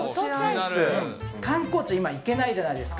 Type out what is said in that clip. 観光地に今、行けないじゃないですか。